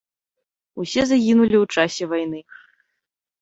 Усе загінулі ў часе вайны.